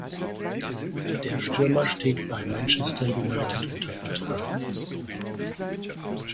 Der Stürmer steht bei Manchester United unter Vertrag.